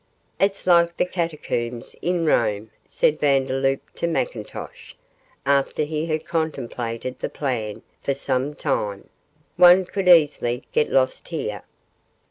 'It's like the catacombs in Rome,' said Vandeloup to McIntosh, after he had contemplated the plan for some time; 'one could easily get lost here.